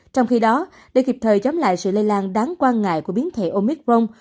trong khi đó để kịp thời chống lại sự lây lan đáng quan ngại của biến thể omicron